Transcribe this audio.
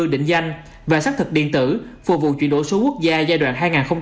định danh và xác thực điện tử phục vụ chuyển đổi số quốc gia giai đoạn hai nghìn hai mươi một hai nghìn hai mươi năm